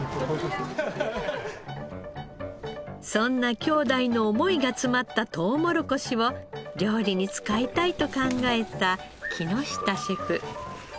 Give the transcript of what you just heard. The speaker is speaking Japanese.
そんな兄弟の思いが詰まったとうもろこしを料理に使いたいと考えた木下シェフ。